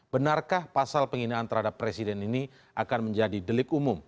benarkah pasal penghinaan terhadap presiden ini akan menjadi delik umum